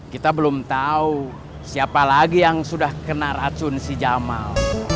kita belum tahu siapa lagi yang sudah kena racun si jamal